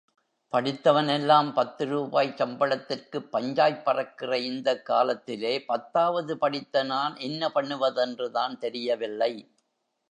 படித்தவனெல்லாம் பத்து ரூபாய் சம்பளத்துக்குப் பஞ்சாய்ப் பறக்கிற இந்தக் காலத்திலே பத்தாவது படித்த நான் என்ன பண்ணுவதென்றுதான் தெரியவில்லை.